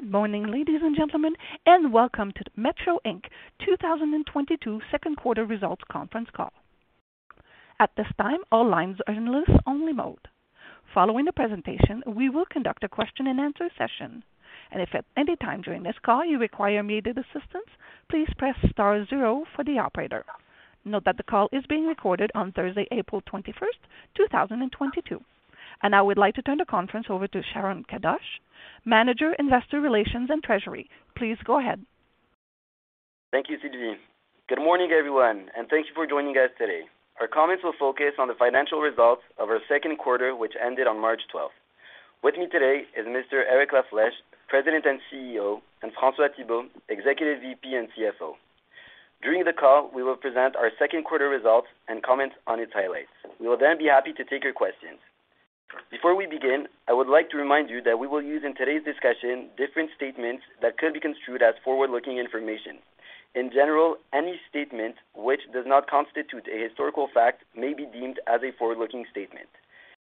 Good morning, ladies and gentlemen, and welcome to the Metro Inc. 2022 second quarter results conference call. At this time, all lines are in listen only mode. Following the presentation, we will conduct a question and answer session. If at any time during this call you require immediate assistance, please press star zero for the operator. Note that the call is being recorded on Thursday, April 21st, 2022. I now would like to turn the conference over to Sharon Kadoche, Manager, Investor Relations and Treasury. Please go ahead. Thank you, Sylvie. Good morning, everyone, and thank you for joining us today. Our comments will focus on the financial results of our second quarter, which ended on March 12th. With me today is Mr. Eric La Flèche, President and CEO, and François Thibault, Executive VP and CFO. During the call, we will present our second quarter results and comments on its highlights. We will then be happy to take your questions. Before we begin, I would like to remind you that we will use in today's discussion different statements that could be construed as forward-looking information. In general, any statement which does not constitute a historical fact may be deemed as a forward-looking statement.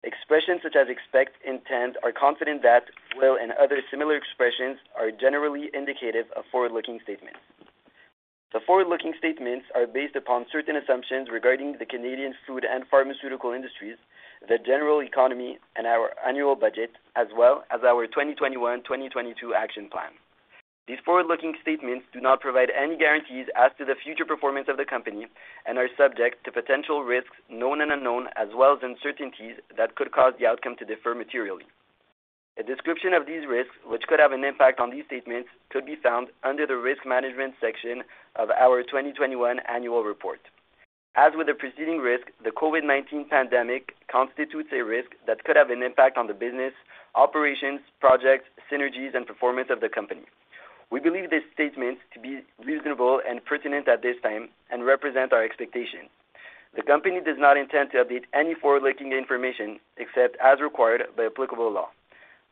Expressions such as expect, intent, are confident that, will, and other similar expressions are generally indicative of forward-looking statements. The forward-looking statements are based upon certain assumptions regarding the Canadian food and pharmaceutical industries, the general economy and our annual budget, as well as our 2021, 2022 action plan. These forward-looking statements do not provide any guarantees as to the future performance of the company and are subject to potential risks, known and unknown, as well as uncertainties that could cause the outcome to differ materially. A description of these risks, which could have an impact on these statements, could be found under the Risk Management section of our 2021 annual report. As with the preceding risk, the COVID-19 pandemic constitutes a risk that could have an impact on the business, operations, projects, synergies, and performance of the company. We believe these statements to be reasonable and pertinent at this time and represent our expectation. The company does not intend to update any forward-looking information except as required by applicable law.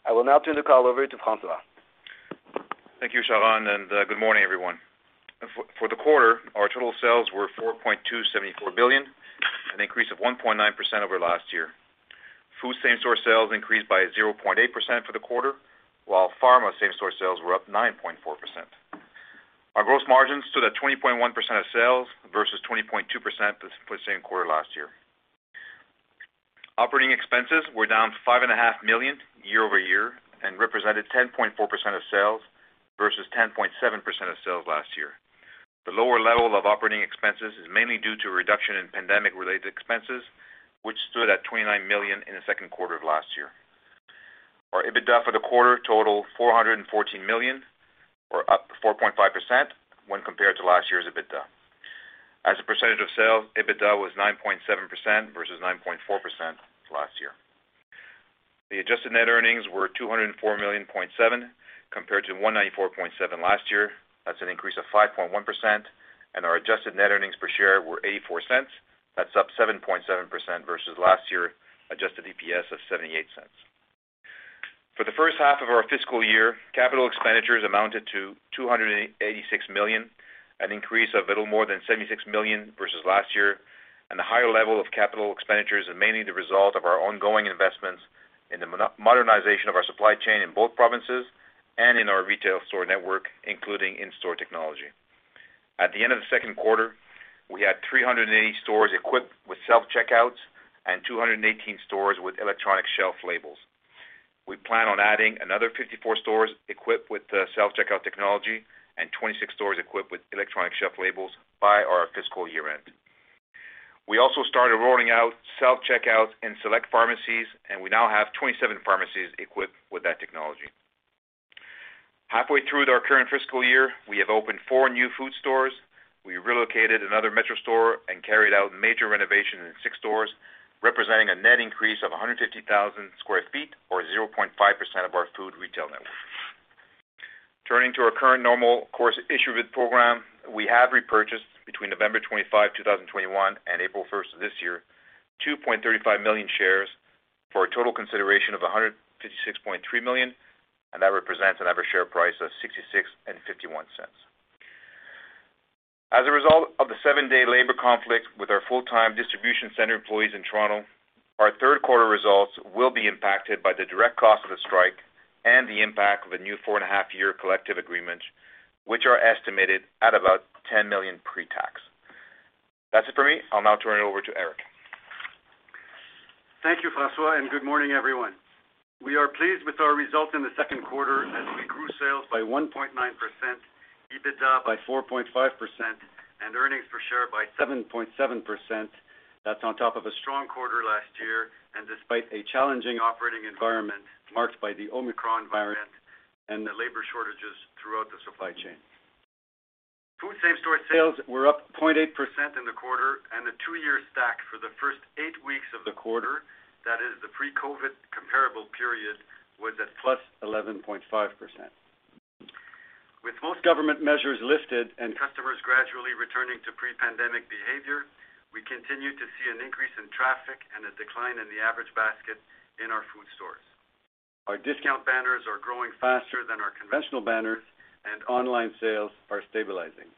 I will now turn the call over to François. Thank you, Sharon, and good morning, everyone. For the quarter, our total sales were 4.274 billion, an increase of 1.9% over last year. Food same-store sales increased by 0.8% for the quarter, while Pharma same-store sales were up 9.4%. Our gross margins stood at 20.1% of sales versus 20.2% the same quarter last year. Operating expenses were down 5.5 million year-over-year and represented 10.4% of sales versus 10.7% of sales last year. The lower level of operating expenses is mainly due to a reduction in pandemic-related expenses, which stood at 29 million in the second quarter of last year. Our EBITDA for the quarter totaled 414 million, up 4.5% when compared to last year's EBITDA. As a percentage of sales, EBITDA was 9.7% versus 9.4% last year. The adjusted net earnings were 204.7 million, compared to 194.7 million last year. That's an increase of 5.1%, and our adjusted net earnings per share were 0.84. That's up 7.7% versus last year adjusted EPS of 0.78. For the first half of our fiscal year, capital expenditures amounted to 286 million, an increase of a little more than 76 million versus last year, and the higher level of capital expenditures are mainly the result of our ongoing investments in the modernization of our supply chain in both provinces and in our retail store network, including in-store technology. At the end of the second quarter, we had 380 stores equipped with self-checkouts and 218 stores with electronic shelf labels. We plan on adding another 54 stores equipped with self-checkout technology and 26 stores equipped with electronic shelf labels by our fiscal year-end. We also started rolling out self-checkouts in select pharmacies, and we now have 27 pharmacies equipped with that technology. Halfway through our current fiscal year, we have opened four new food stores. We relocated another Metro store and carried out major renovation in six stores, representing a net increase of 150,000 sq ft or 0.5% of our Food Retail network. Turning to our current normal course issuer bid program, we have repurchased between November 25, 2021 and April 1st of this year, 2.35 million shares for a total consideration of 156.3 million, and that represents an average share price of 66.51. As a result of the seven-day labor conflict with our full-time distribution center employees in Toronto, our third quarter results will be impacted by the direct cost of the strike and the impact of a new four-and-a-half-year collective agreement, which are estimated at about 10 million pre-tax. That's it for me. I'll now turn it over to Eric. Thank you, François, and good morning, everyone. We are pleased with our results in the second quarter as we grew sales by 1.9%, EBITDA by 4.5%, and earnings per share by 7.7%. That's on top of a strong quarter last year and despite a challenging operating environment marked by the Omicron variant and the labor shortages throughout the supply chain. Food same-store sales were up 0.8% in the quarter, and the two-year stack for the first eight weeks of the quarter, that is the pre-COVID comparable period, was at +11.5%. With most government measures lifted and customers gradually returning to pre-pandemic behavior, we continue to see an increase in traffic and a decline in the average basket in our food stores. Our discount banners are growing faster than our conventional banners and online sales are stabilizing.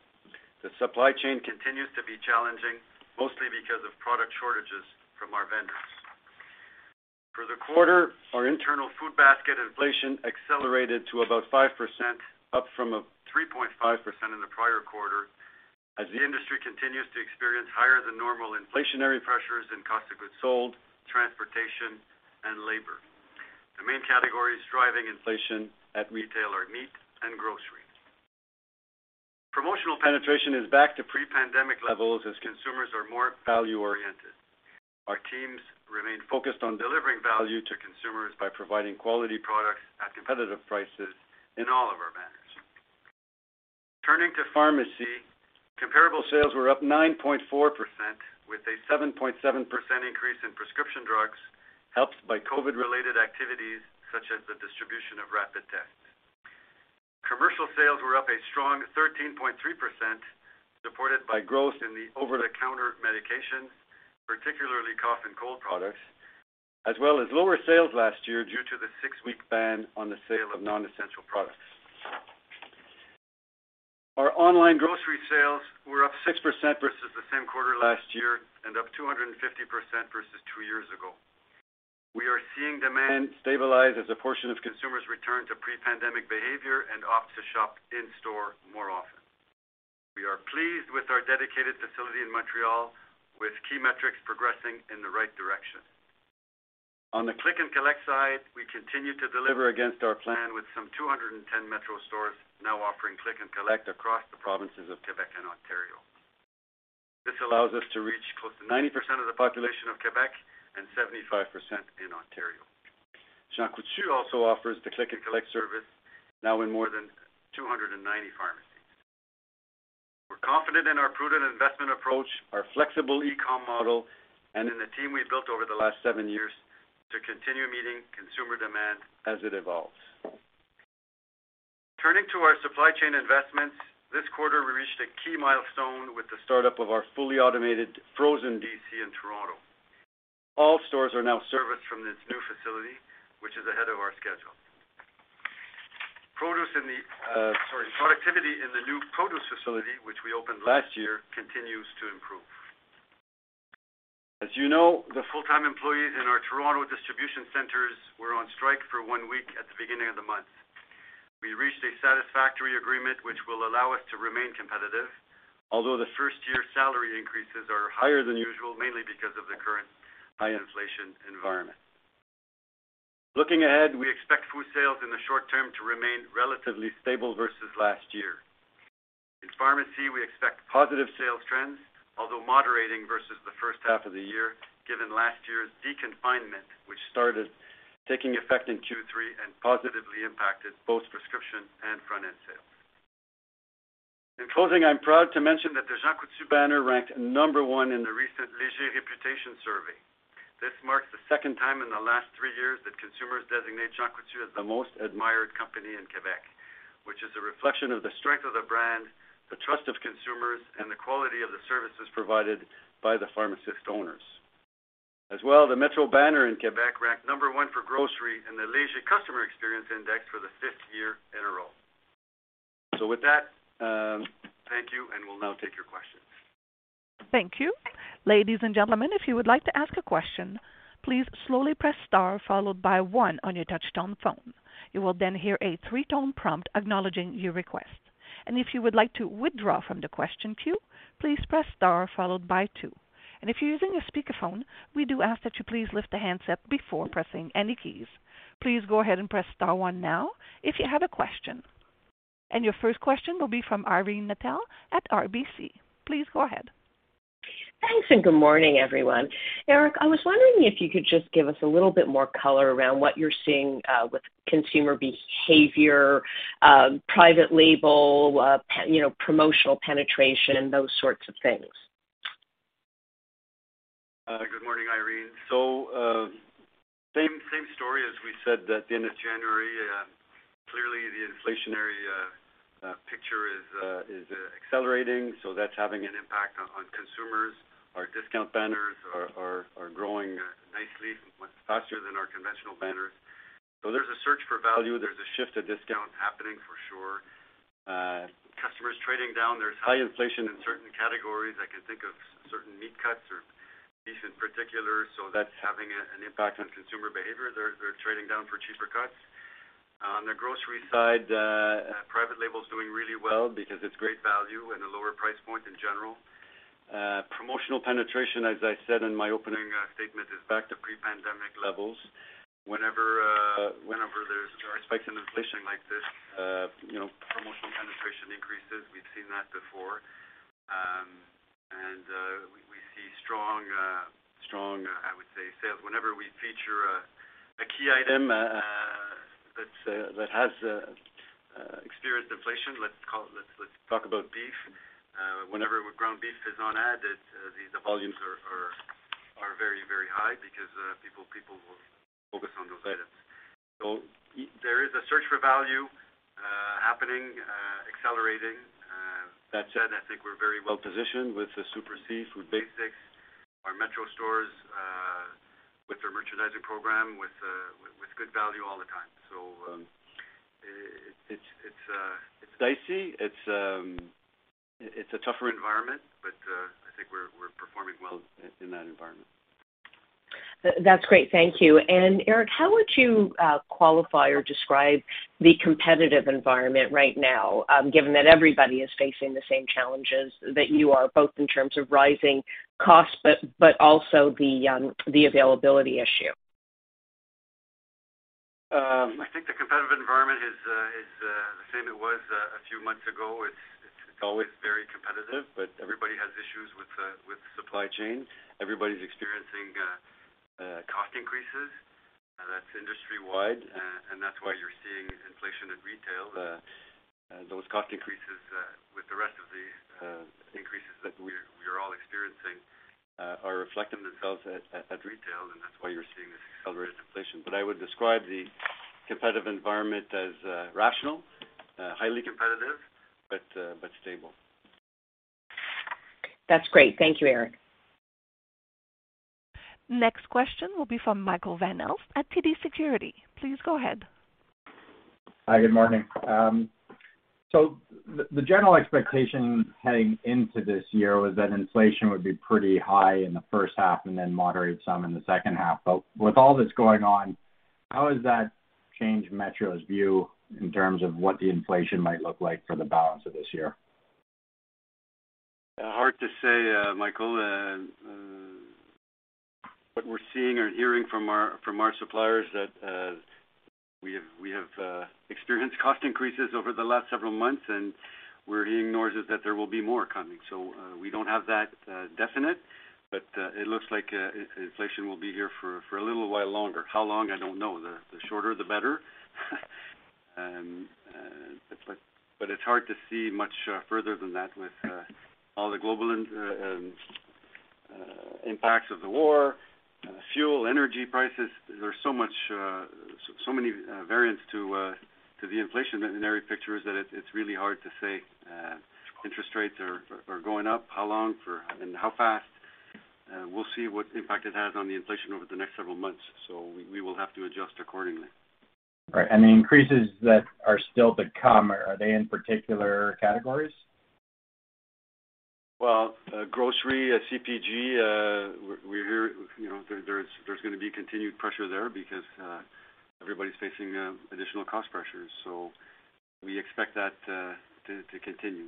The supply chain continues to be challenging, mostly because of product shortages from our vendors. For the quarter, our internal food basket inflation accelerated to about 5%, up from a 3.5% in the prior quarter as the industry continues to experience higher than normal inflationary pressures and cost of goods sold, transportation and labor. The main categories driving inflation at Retail are meat and grocery. Promotional penetration is back to pre-pandemic levels as consumers are more value-oriented. Our teams remain focused on delivering value to consumers by providing quality products at competitive prices in all of our banners. Turning to pharmacy, comparable sales were up 9.4% with a 7.7% increase in prescription drugs, helped by COVID-related activities such as the distribution of rapid tests. Commercial sales were up a strong 13.3%, supported by growth in the over-the-counter medications, particularly cough and cold products, as well as lower sales last year due to the six-week ban on the sale of non-essential products. Our online grocery sales were up 6% versus the same quarter last year and up 250% versus two years ago. We are seeing demand stabilize as a portion of consumers return to pre-pandemic behavior and opt to shop in store more often. We are pleased with our dedicated facility in Montreal, with key metrics progressing in the right direction. On the click and collect side, we continue to deliver against our plan with some 210 Metro stores now offering click and collect across the provinces of Québec and Ontario. This allows us to reach close to 90% of the population of Quebec and 75% in Ontario. Jean Coutu also offers the click and collect service now in more than 290 pharmacies. We're confident in our prudent investment approach, our flexible e-com model, and in the team we've built over the last seven years to continue meeting consumer demand as it evolves. Turning to our supply chain investments, this quarter we reached a key milestone with the startup of our fully automated frozen DC in Toronto. All stores are now serviced from this new facility, which is ahead of our schedule. Productivity in the new produce facility, which we opened last year, continues to improve. As you know, the full-time employees in our Toronto distribution centers were on strike for one week at the beginning of the month. We reached a satisfactory agreement, which will allow us to remain competitive, although the first-year salary increases are higher than usual, mainly because of the current high inflation environment. Looking ahead, we expect Food sales in the short-term to remain relatively stable versus last year. In Pharmacy, we expect positive sales trends, although moderating versus the first half of the year, given last year's deconfinement, which started taking effect in Q3 and positively impacted both prescription and front-end sales. In closing, I'm proud to mention that the Jean Coutu banner ranked number one in the recent Léger Reputation study. This marks the second time in the last three years that consumers designate Jean Coutu as the most admired company in Quebec, which is a reflection of the strength of the brand, the trust of consumers, and the quality of the services provided by the pharmacist owners. As well, the Metro banner in Quebec ranked number one for grocery in the Léger Customer Experience Index for the fifth year in a row. With that, thank you, and we'll now take your questions. Thank you. Your first question will be from Irene Nattel at RBC. Please go ahead. Thanks, and good morning, everyone. Eric La Flèche, I was wondering if you could just give us a little bit more color around what you're seeing with consumer behavior, private label, you know, promotional penetration, those sorts of things. Good morning, Irene. Same story as we said at the end of January. Clearly, the inflationary picture is accelerating, so that's having an impact on consumers. Our discount banners are growing nicely, much faster than our conventional banners. There's a search for value. There's a shift to discount happening for sure. Customers trading down. There's high inflation in certain categories. I can think of certain meat cuts or beef in particular, so that's having an impact on consumer behavior. They're trading down for cheaper cuts. On the grocery side, private label is doing really well because it's great value and a lower price point in general. Promotional penetration, as I said in my opening statement, is back to pre-pandemic levels. Whenever there's spikes in inflation like this, you know, promotional penetration increases. We've seen that before. We see strong, I would say, sales. Whenever we feature a key item that's experienced inflation, let's call it—let's talk about beef. Whenever ground beef is on ad, these volumes are very high because people will focus on those items. There is a search for value happening, accelerating. That said, I think we're very well positioned with the Super C, Food Basics, our Metro stores with their merchandising program. It's dicey. It's a tougher environment, but I think we're performing well in that environment. That's great. Thank you. Eric, how would you qualify or describe the competitive environment right now, given that everybody is facing the same challenges that you are, both in terms of rising costs, but also the availability issue? I think the competitive environment is the same it was a few months ago. It's always very competitive, but everybody has issues with supply chain. Everybody's experiencing cost increases. That's industry wide. And that's why you're seeing inflation in retail. Those cost increases, with the rest of the increases that we're all experiencing, are reflecting themselves at retail, and that's why you're seeing this accelerated inflation. I would describe the competitive environment as rational, highly competitive, but stable. That's great. Thank you, Eric. Next question will be from Michael Van Aelst at TD Securities. Please go ahead. Hi, good morning. The general expectation heading into this year was that inflation would be pretty high in the first half and then moderate some in the second half. With all that's going on, how has that changed Metro's view in terms of what the inflation might look like for the balance of this year? Hard to say, Michael. What we're seeing or hearing from our suppliers that we have experienced cost increases over the last several months, and we're hearing noises that there will be more coming. We don't have that definite, but it looks like inflation will be here for a little while longer. How long? I don't know. The shorter, the better. It's hard to see much further than that with all the global impacts of the war, fuel, energy prices. There's so much, so many variants to the inflationary pictures that it's really hard to say. Interest rates are going up. How long for and how fast? We'll see what impact it has on the inflation over the next several months. We will have to adjust accordingly. Right. The increases that are still to come, are they in particular categories? Well, grocery, CPG, we're here. You know, there's gonna be continued pressure there because everybody's facing additional cost pressures. We expect that to continue.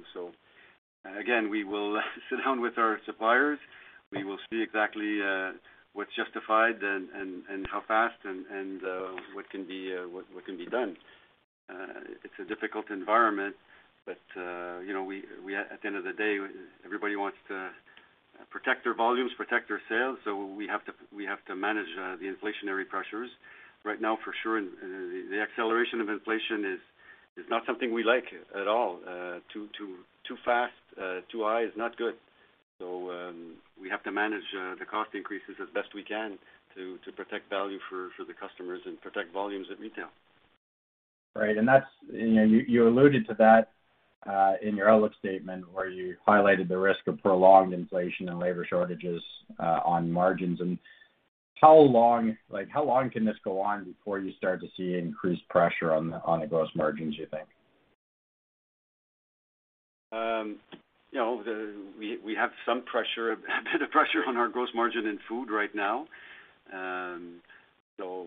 Again, we will sit down with our suppliers. We will see exactly what's justified and how fast and what can be done. It's a difficult environment, but you know, we at the end of the day, everybody wants to protect their volumes, protect their sales, so we have to manage the inflationary pressures right now for sure. The acceleration of inflation is not something we like at all. Too fast, too high is not good. We have to manage the cost increases as best we can to protect value for the customers and protect volumes at retail. Right. That's, you know, you alluded to that in your outlook statement where you highlighted the risk of prolonged inflation and labor shortages on margins. How long, like, how long can this go on before you start to see increased pressure on the gross margins, you think? You know, we have some pressure, a bit of pressure on our gross margin in Food right now. So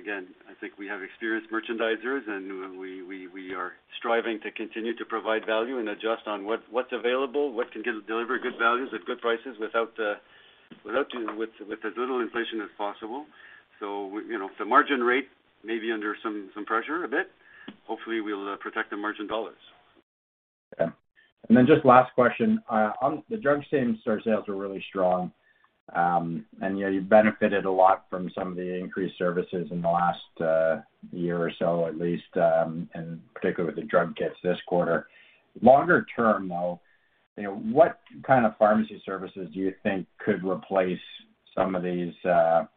again, I think we have experienced merchandisers, and we are striving to continue to provide value and adjust on what's available, what can get delivered good values at good prices without you know, with as little inflation as possible. You know, the margin rate may be under some pressure a bit. Hopefully, we'll protect the margin dollars. Okay. Just last question. On the drugstore sales are really strong, and yet you benefited a lot from some of the increased services in the last year or so at least, and particularly the drug kits this quarter. Longer term though, you know, what kind of pharmacy services do you think could replace some of these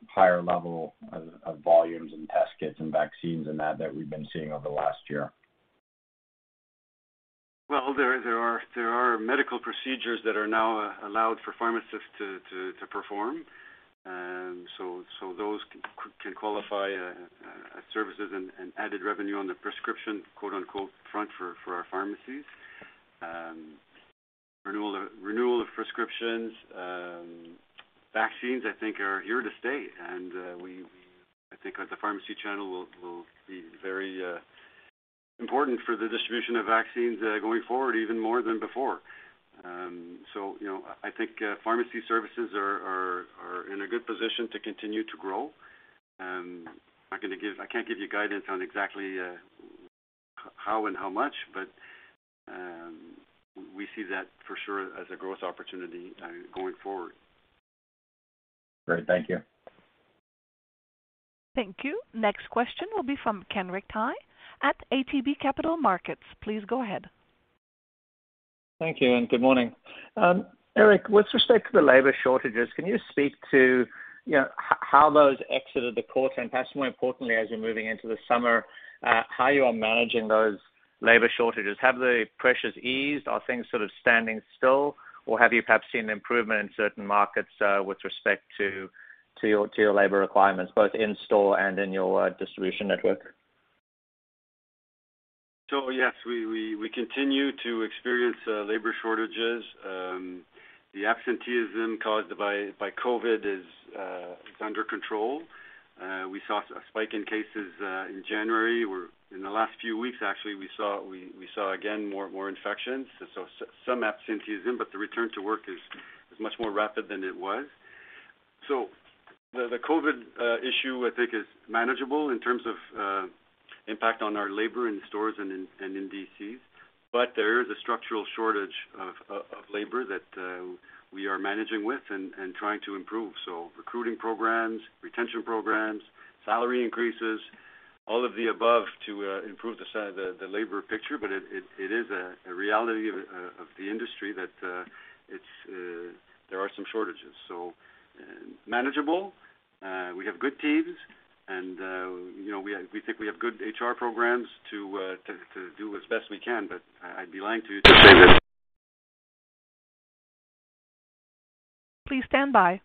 higher level of volumes and test kits and vaccines and that we've been seeing over the last year? Well, there are medical procedures that are now allowed for pharmacists to perform. So those can qualify as services and added revenue on the prescription quote-unquote front for our pharmacies. Renewal of prescriptions. Vaccines, I think, are here to stay. I think the Pharmacy channel will be very important for the distribution of vaccines going forward even more than before. So, you know, I think pharmacy services are in a good position to continue to grow. I can't give you guidance on exactly how and how much, but we see that for sure as a growth opportunity going forward. Great. Thank you. Thank you. Next question will be from Kenric Tyghe at ATB Capital Markets. Please go ahead. Thank you, and good morning. Eric, with respect to the labor shortages, can you speak to, you know, how those exited the quarter? Perhaps more importantly, as you're moving into the summer, how you are managing those- Labor shortages, have the pressures eased? Are things sort of standing still or have you perhaps seen improvement in certain markets, with respect to your labor requirements, both in store and in your distribution network? Yes, we continue to experience labor shortages. The absenteeism caused by COVID is under control. We saw a spike in cases in January, where in the last few weeks, actually we saw again more infections, so some absenteeism, but the return to work is much more rapid than it was. The COVID issue, I think, is manageable in terms of impact on our labor in stores and in DCs. There is a structural shortage of labor that we are managing with and trying to improve. Recruiting programs, retention programs, salary increases, all of the above to improve the labor picture. It is a reality of the industry that there are some shortages, so manageable. We have good teams and you know we think we have good HR programs to do as best we can. I'd be lying to you to say that Please stand by.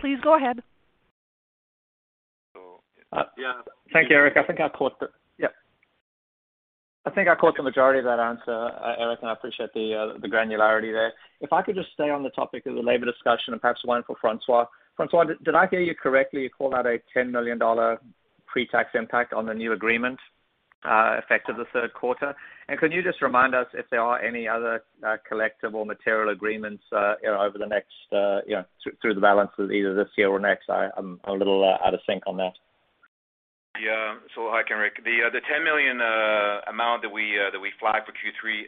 Please go ahead. Yeah. Thank you, Eric. I think I caught the majority of that answer, Eric, and I appreciate the granularity there. If I could just stay on the topic of the labor discussion and perhaps one for François. François, did I hear you correctly call out a 10 million dollar pre-tax impact on the new agreement effect of the third quarter? And can you just remind us if there are any other collective material agreements, you know, over the next, you know, through the balance of either this year or next? I'm a little out of sync on that. Hi, Kenric. The 10 million amount that we flagged for Q3,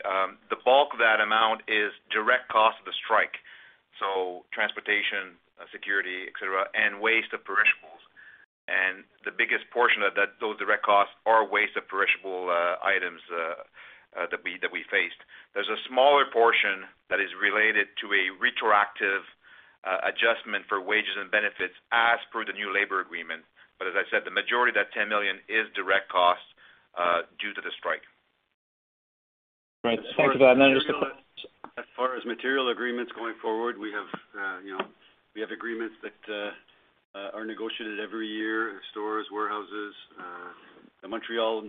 the bulk of that amount is direct cost of the strike, so transportation, security, et cetera, and waste of perishables. The biggest portion of those direct costs is waste of perishable items that we faced. There's a smaller portion that is related to a retroactive adjustment for wages and benefits as per the new labor agreement. As I said, the majority of that 10 million is direct costs due to the strike. Right. Thank you for that. I just- As far as material agreements going forward, we have, you know, we have agreements that are negotiated every year, stores, warehouses, the Montreal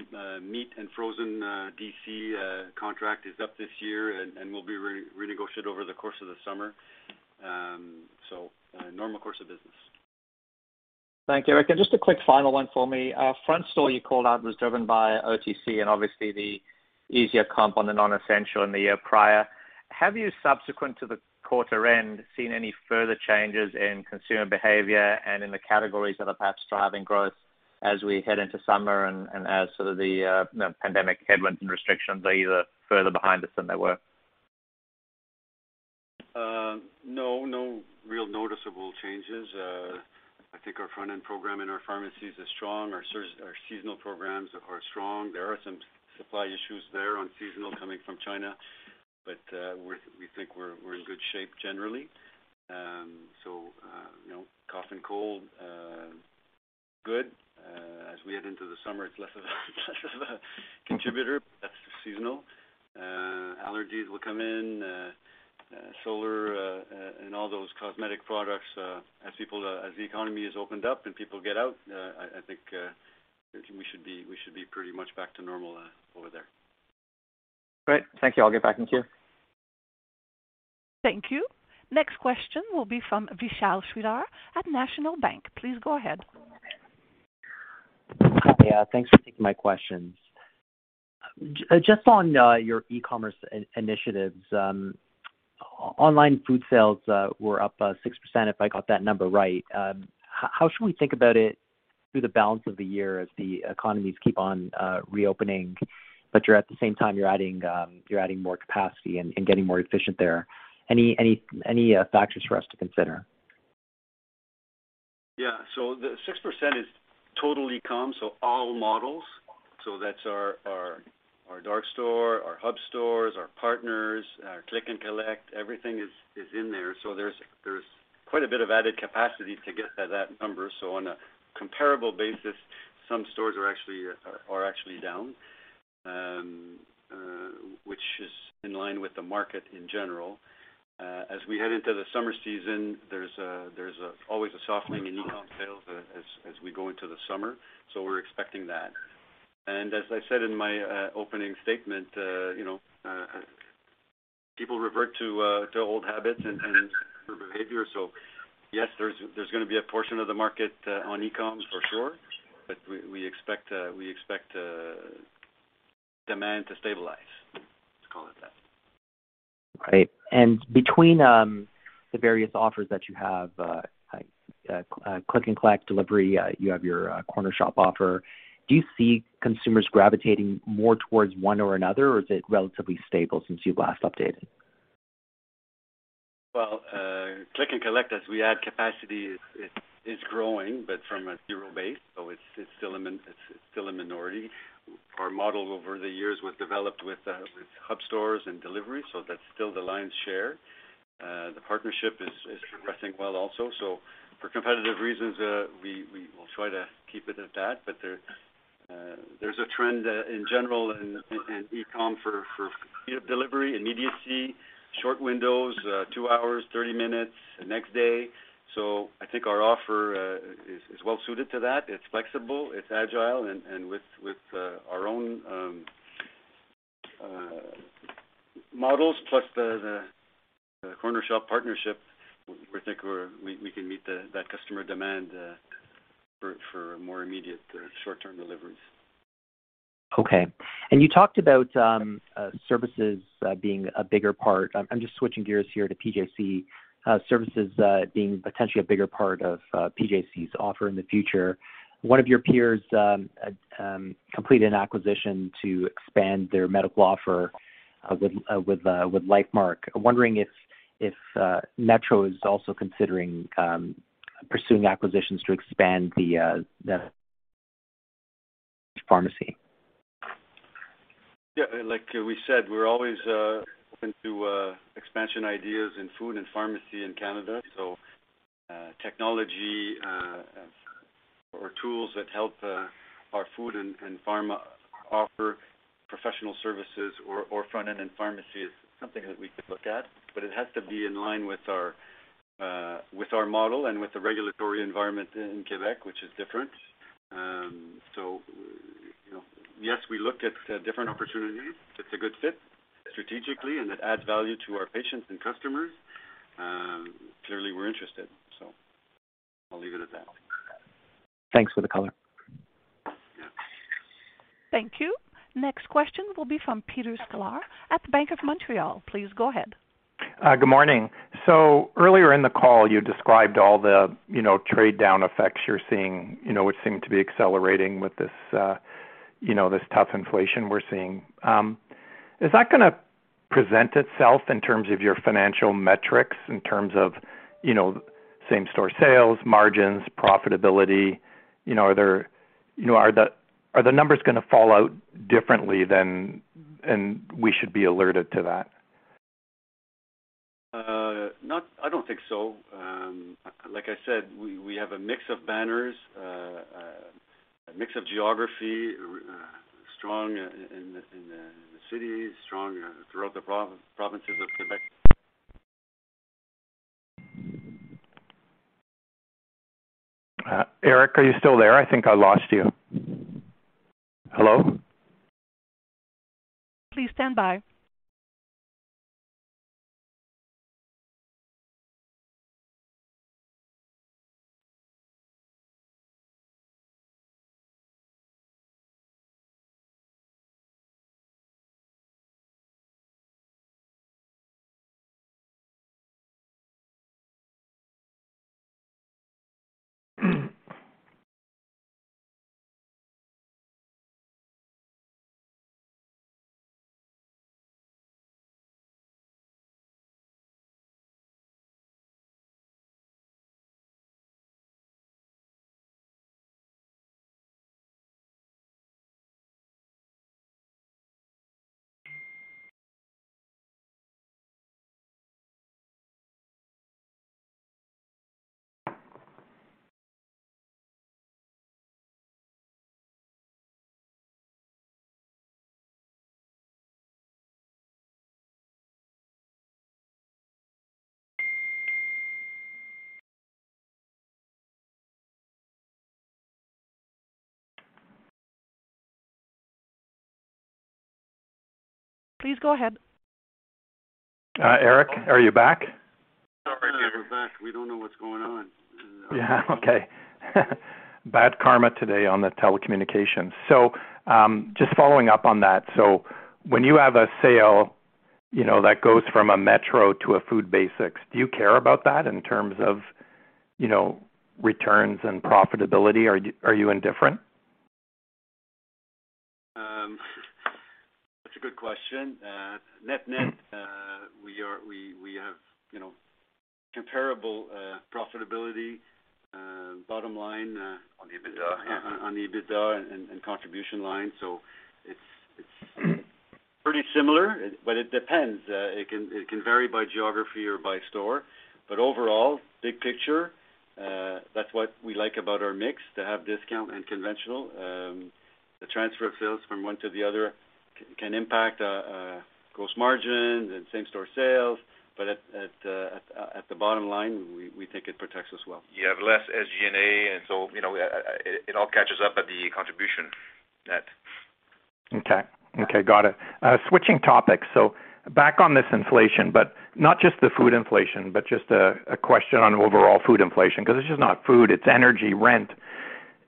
Meat and Frozen DC contract is up this year and will be re-negotiated over the course of the summer. Normal course of business. Thank you. Eric, just a quick final one for me. Front store you called out was driven by OTC and obviously the easier comp on the non-essential in the year prior. Have you, subsequent to the quarter end, seen any further changes in consumer behavior and in the categories that are perhaps driving growth as we head into summer and as sort of the pandemic headwinds and restrictions are either further behind us than they were? No real noticeable changes. I think our front-end program in our pharmacies is strong. Our seasonal programs are strong. There are some supply issues there on seasonal coming from China, but we think we're in good shape generally. You know, cough and cold good. As we head into the summer, it's less of a contributor. That's just seasonal. Allergies will come in, solar and all those cosmetic products as the economy is opened up and people get out. I think we should be pretty much back to normal over there. Great. Thank you. I'll get back in queue. Thank you. Next question will be from Vishal Shreedhar at National Bank. Please go ahead. Hi. Yeah, thanks for taking my questions. Just on your e-commerce initiatives, online food sales were up 6%, if I got that number right. How should we think about it through the balance of the year as the economies keep on reopening, but at the same time you're adding more capacity and getting more efficient there. Any factors for us to consider? Yeah. The 6% is total e-com, all models. That's our dark store, our hub stores, our partners, our click and collect. Everything is in there. There's quite a bit of added capacity to get to that number. On a comparable basis, some stores are actually down, which is in line with the market in general. As we head into the summer season, there's always a softening in e-com sales as we go into the summer, so we're expecting that. As I said in my opening statement, you know, people revert to old habits and behavior. Yes, there's gonna be a portion of the market on e-com for sure, but we expect demand to stabilize. Let's call it that. Right. Between the various offers that you have, click and collect, delivery, you have your Cornershop offer, do you see consumers gravitating more towards one or another, or is it relatively stable since you've last updated? Click and collect as we add capacity is growing, but from a zero base, so it's still a minority. Our model over the years was developed with hub stores and delivery, so that's still the lion's share. The partnership is progressing well also. For competitive reasons, we will try to keep it at that. There's a trend in general in e-com for delivery, immediacy, short windows, two hours, 30 minutes, next day. I think our offer is well suited to that. It's flexible, it's agile, and with our own models plus the Cornershop partnership, we think we can meet that customer demand for more immediate short-term deliveries. Okay. You talked about services being a bigger part. I'm just switching gears here to PJC services being potentially a bigger part of PJC's offer in the future. One of your peers completed an acquisition to expand their medical offer with Lifemark. Wondering if Metro is also considering pursuing acquisitions to expand the Pharmacy. Yeah, like we said, we're always open to expansion ideas in Food and Pharmacy in Canada. So, technology or tools that help our Food and Pharma offer professional services or front end in Pharmacy is something that we could look at, but it has to be in line with our model and with the regulatory environment in Québec, which is different. So, you know, yes, we look at different opportunities. If it's a good fit strategically and it adds value to our patients and customers, clearly we're interested. So I'll leave it at that. Thanks for the color. Yeah. Thank you. Next question will be from Peter Sklar at Bank of Montreal. Please go ahead. Good morning. Earlier in the call, you described all the trade down effects you're seeing, which seem to be accelerating with this tough inflation we're seeing. Is that gonna present itself in terms of your financial metrics in terms of same-store sales, margins, profitability? Are the numbers gonna fall out differently than, and we should be alerted to that? I don't think so. Like I said, we have a mix of banners, a mix of geography, strong in the cities, strong throughout the provinces of Quebec. Eric, are you still there? I think I lost you. Hello? Please stand by. Please go ahead. Eric, are you back? We're back. We don't know what's going on. Yeah. Okay. Bad karma today on the telecommunications. Just following up on that. When you have a sale, you know, that goes from a Metro to a Food Basics. Do you care about that in terms of, you know, returns and profitability, or are you indifferent? That's a good question. Net-net, we have, you know, comparable profitability, bottom line. On the EBITDA, yeah. On the EBITDA and contribution line. It's pretty similar, but it depends. It can vary by geography or by store, but overall, big picture, that's what we like about our mix, to have discount and conventional. The transfer of sales from one to the other can impact gross margin and same-store sales. At the bottom line, we think it protects us well. You have less SG&A, and so, you know, it all catches up at the contribution net. Got it. Switching topics, back on this inflation, not just the food inflation, just a question on overall food inflation, 'cause it's just not food, it's energy, rent,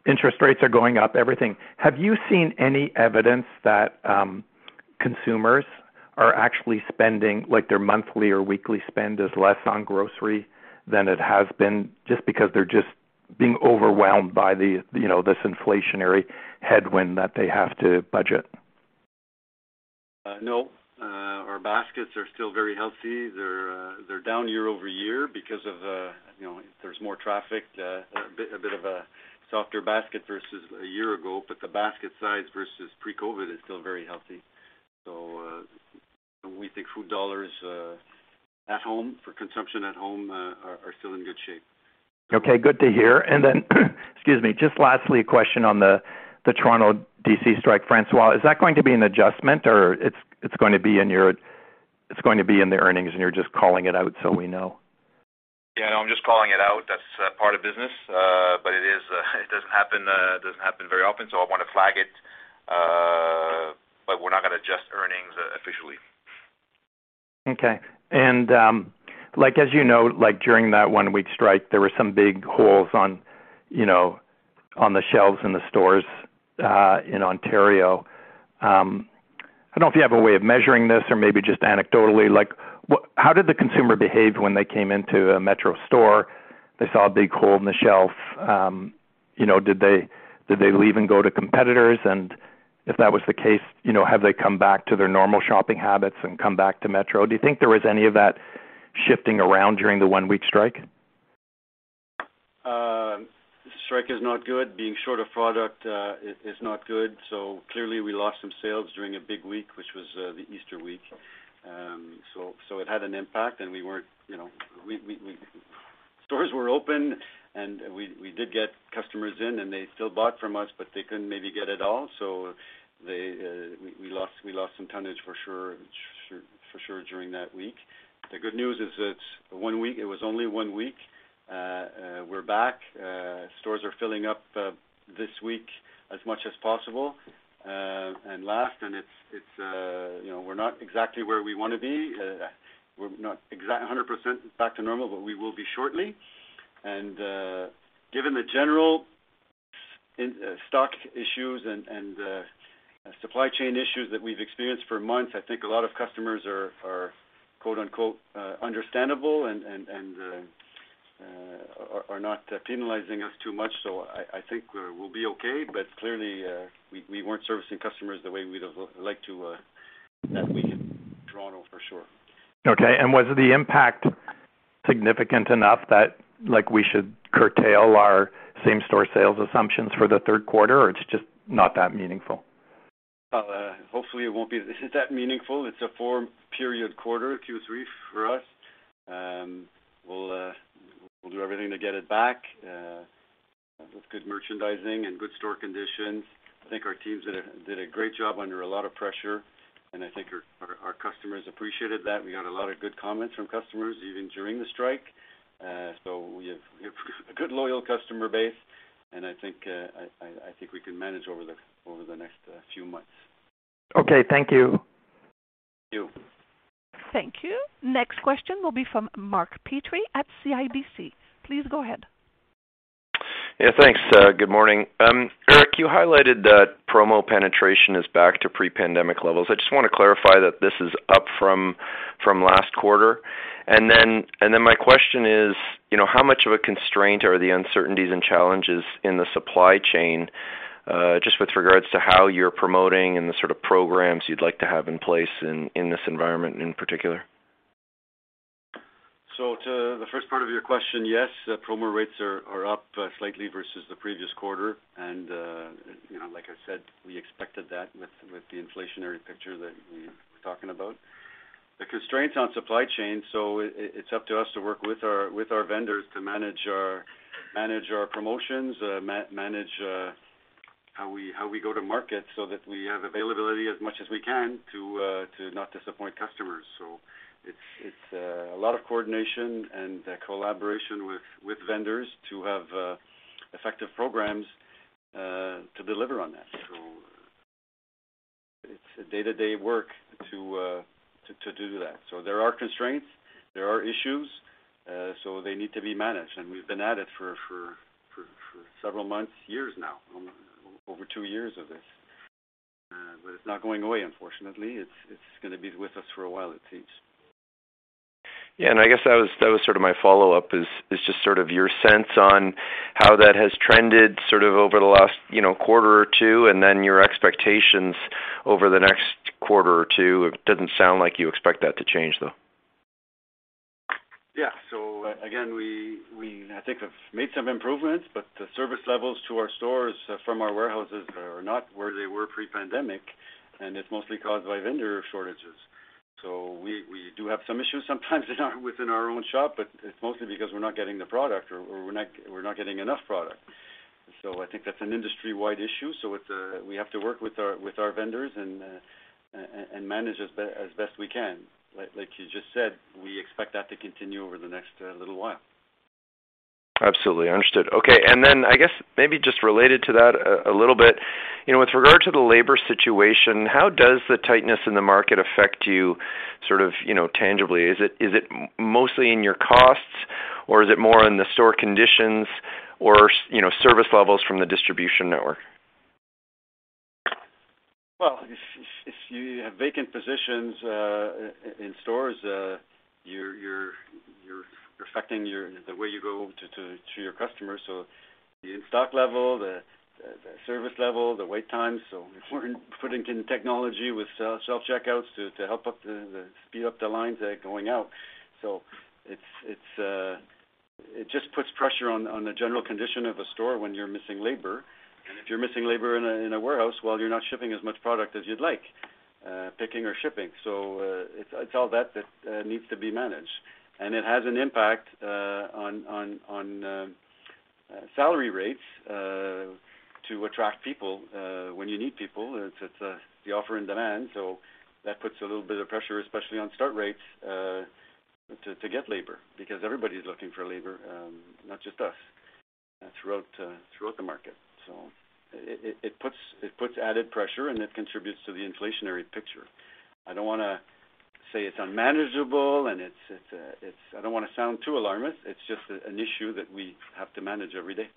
interest rates are going up, everything. Have you seen any evidence that consumers are actually spending, like their monthly or weekly spend is less on grocery than it has been just because they're just being overwhelmed by the, you know, this inflationary headwind that they have to budget? No. Our baskets are still very healthy. They're down year over year because of, you know, there's more traffic, a bit of a softer basket versus a year ago, but the basket size versus pre-COVID is still very healthy. We think food dollars at home, for consumption at home, are still in good shape. Okay, good to hear. Then, excuse me, just lastly, a question on the Toronto DC strike. François, is that going to be an adjustment or it's going to be in your earnings, and you're just calling it out so we know? Yeah, no, I'm just calling it out. That's part of business. It is; it doesn't happen very often, so I wanna flag it. We're not gonna adjust earnings officially. Okay. Like, as you know, like, during that one-week strike, there were some big holes on, you know, on the shelves in the stores in Ontario. I don't know if you have a way of measuring this or maybe just anecdotally, how did the consumer behave when they came into a Metro store, they saw a big hole in the shelf? You know, did they leave and go to competitors? And if that was the case, you know, have they come back to their normal shopping habits and come back to Metro? Do you think there was any of that shifting around during the one-week strike? Strike is not good. Being short of product is not good, so clearly we lost some sales during a big week, which was the Easter week. It had an impact, and we weren't, you know, stores were open, and we did get customers in, and they still bought from us, but they couldn't maybe get it all, so they we lost some tonnage for sure during that week. The good news is it's one week, it was only one week. We're back. Stores are filling up this week as much as possible, and it's, you know, we're not exactly where we wanna be. We're not exactly 100% back to normal, but we will be shortly. Given the general in-stock issues and supply chain issues that we've experienced for months, I think a lot of customers are quote-unquote understandable and are not penalizing us too much. I think we'll be okay, but clearly, we weren't servicing customers the way we'd have liked to that week in Toronto for sure. Okay. Was the impact significant enough that, like, we should curtail our same-store sales assumptions for the third quarter, or it's just not that meaningful? Well, hopefully it won't be that meaningful. It's a four-period quarter, Q3 for us. We'll do everything to get it back with good merchandising and good store conditions. I think our teams did a great job under a lot of pressure, and I think our customers appreciated that. We got a lot of good comments from customers even during the strike. We have a good loyal customer base, and I think we can manage over the next few months. Okay. Thank you. Thank you. Thank you. Next question will be from Mark Petrie at CIBC. Please go ahead. Yeah, thanks. Good morning. Eric, you highlighted that promo penetration is back to pre-pandemic levels. I just wanna clarify that this is up from last quarter. My question is, you know, how much of a constraint are the uncertainties and challenges in the supply chain, just with regards to how you're promoting and the sort of programs you'd like to have in place in this environment in particular? To the first part of your question, yes, promo rates are up slightly versus the previous quarter. You know, like I said, we expected that with the inflationary picture that we were talking about. The constraints on supply chain, it's up to us to work with our vendors to manage our promotions, manage how we go to market so that we have availability as much as we can to not disappoint customers. It's a lot of coordination and collaboration with vendors to have effective programs to deliver on that. It's a day-to-day work to do that. There are constraints, there are issues. They need to be managed, and we've been at it for several months, years now, over two years of this. It's not going away, unfortunately. It's gonna be with us for a while, it seems. I guess that was sort of my follow-up is just sort of your sense on how that has trended sort of over the last, you know, quarter or two, and then your expectations over the next quarter or two. It doesn't sound like you expect that to change, though. Yeah. Again, we, I think, have made some improvements, but the service levels to our stores from our warehouses are not where they were pre-pandemic, and it's mostly caused by vendor shortages. We do have some issues sometimes within our own shop, but it's mostly because we're not getting the product or we're not getting enough product. I think that's an industry-wide issue, so it's, we have to work with our vendors and manage as best we can. Like you just said, we expect that to continue over the next little while. Absolutely. Understood. Okay. I guess maybe just related to that a little bit, you know, with regard to the labor situation, how does the tightness in the market affect you sort of, you know, tangibly? Is it mostly in your costs, or is it more in the store conditions or you know, service levels from the distribution network? Well, if you have vacant positions in stores, you're affecting the way you go to your customers, so the in-stock level, the service level, the wait time. We're putting in technology with self-checkouts to help speed up the lines going out. It just puts pressure on the general condition of a store when you're missing labor. If you're missing labor in a warehouse, well, you're not shipping as much product as you'd like, picking or shipping. It's all that needs to be managed. It has an impact on salary rates to attract people when you need people. It's the supply and demand, so that puts a little bit of pressure, especially on starting rates, to get labor because everybody's looking for labor, not just us, throughout the market. It puts added pressure, and it contributes to the inflationary picture. I don't wanna say it's unmanageable. I don't wanna sound too alarmist. It's just an issue that we have to manage every day.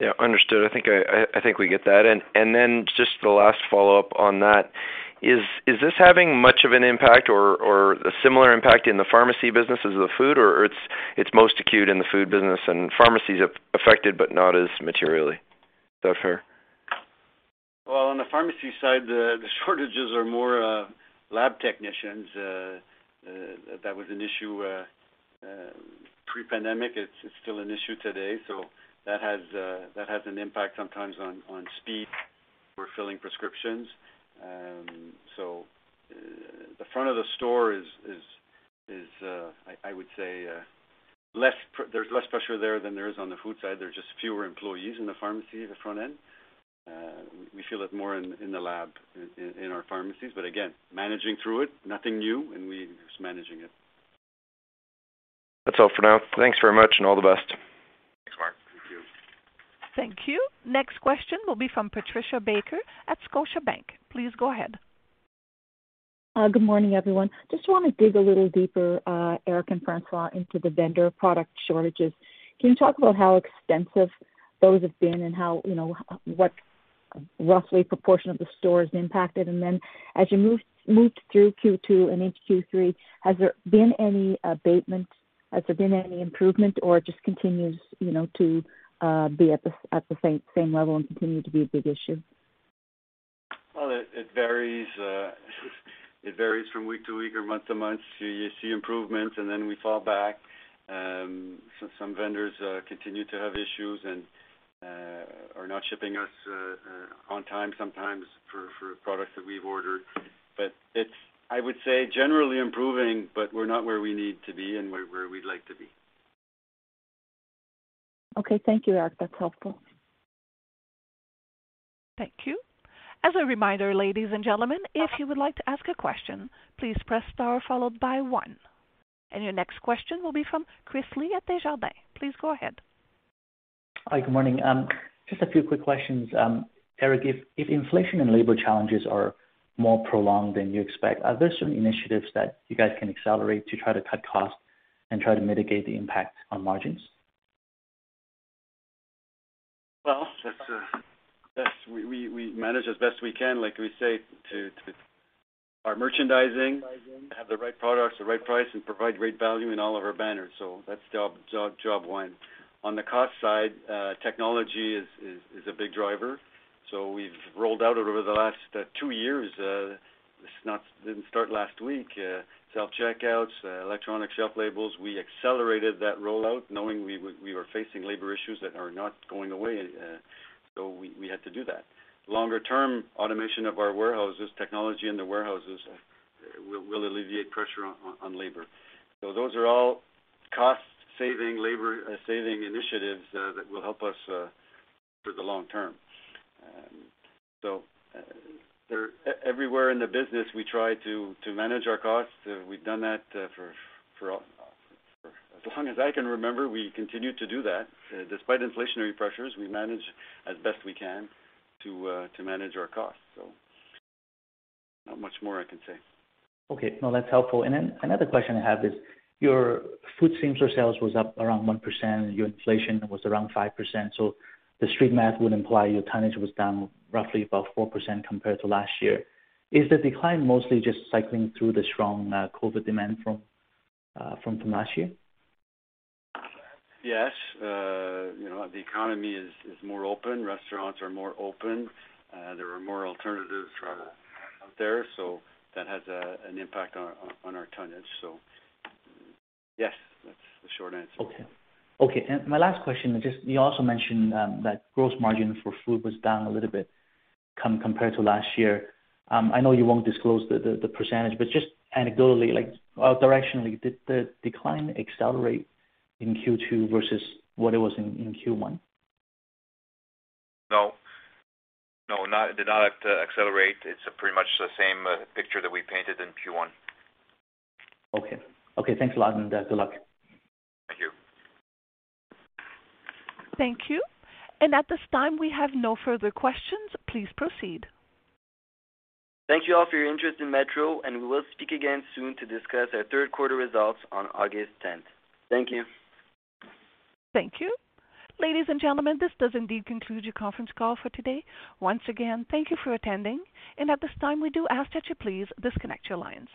Yeah, understood. I think we get that. Just the last follow-up on that, is this having much of an impact or a similar impact in the Pharmacy business as the Food, or it's most acute in the Food business and pharmacies affected, but not as materially? Is that fair? Well, on the Pharmacy side, the shortages are more lab technicians. That was an issue pre-pandemic. It's still an issue today, so that has an impact sometimes on speed we're filling prescriptions. The front of the store, I would say, there's less pressure there than there is on the Food side. There are just fewer employees in the pharmacy at the front end. We feel it more in the lab in our pharmacies, but again, managing through it, nothing new, and we're just managing it. That's all for now. Thanks very much, and all the best. Thanks, Mark. Thank you. Thank you. Next question will be from Patricia Baker at Scotiabank. Please go ahead. Good morning, everyone. Just wanna dig a little deeper, Eric and François, into the vendor product shortages. Can you talk about how extensive those have been and how, you know, what roughly proportion of the store is impacted? Then as you move through Q2 and into Q3, has there been any abatement? Has there been any improvement, or it just continues, you know, to be at the same level and continue to be a big issue? Well, it varies from week to week or month to month. You see improvements, and then we fall back. Some vendors continue to have issues and are not shipping us on time sometimes for products that we've ordered. It's, I would say, generally improving, but we're not where we need to be and where we'd like to be. Okay. Thank you, Eric. That's helpful. Thank you. As a reminder, ladies and gentlemen, if you would like to ask a question, please press star followed by one. Your next question will be from Chris Li at Desjardins. Please go ahead. Hi, good morning. Just a few quick questions. Eric, if inflation and labor challenges are more prolonged than you expect, are there some initiatives that you guys can accelerate to try to cut costs and try to mitigate the impact on margins? That's how we manage as best we can, like we say to our merchandising, have the right products, the right price, and provide great value in all of our banners. That's job one. On the cost side, technology is a big driver. We've rolled out over the last two years self-checkouts, electronic shelf labels. It didn't start last week. We accelerated that rollout knowing we were facing labor issues that are not going away, so we had to do that. Longer term, automation of our warehouses, technology in the warehouses will alleviate pressure on labor. Those are all cost-saving, labor-saving initiatives that will help us for the long term. They're everywhere in the business. We try to manage our costs. We've done that for as long as I can remember. We continue to do that. Despite inflationary pressures, we manage as best we can to manage our costs. Not much more I can say. Okay. No, that's helpful. Another question I have is, your food same-store sales was up around 1%, your inflation was around 5%, so the street math would imply your tonnage was down roughly about 4% compared to last year. Is the decline mostly just cycling through the strong COVID demand from last year? Yes. You know, the economy is more open. Restaurants are more open. There are more alternatives out there, so that has an impact on our tonnage. Yes, that's the short answer. Okay. My last question is just, you also mentioned that gross margin for Food was down a little bit compared to last year. I know you won't disclose the percentage, but just anecdotally, like, directionally, did the decline accelerate in Q2 versus what it was in Q1? No, it did not accelerate. It's pretty much the same picture that we painted in Q1. Okay. Okay, thanks a lot, and good luck. Thank you. Thank you. At this time, we have no further questions. Please proceed. Thank you all for your interest in Metro, and we will speak again soon to discuss our third quarter results on August 10th. Thank you. Thank you. Ladies and gentlemen, this does indeed conclude your conference call for today. Once again, thank you for attending, and at this time, we do ask that you please disconnect your lines.